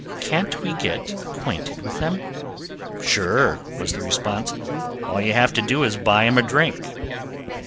Can't we get acquainted with them?" "Sure," was the response. "All we have to do is to buy them a drink."